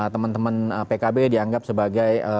teman teman pkb dianggap sebagai